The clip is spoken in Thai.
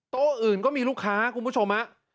อื่นก็มีลูกค้าคุณผู้ชมฮะ